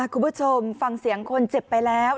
คุณผู้ชมฟังเสียงคนเจ็บไปแล้ว